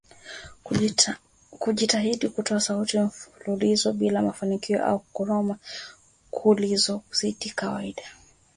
Kujitahidi kutoa sauti mfululizo bila mafanikio au Kuroroma kulikozidi kawaida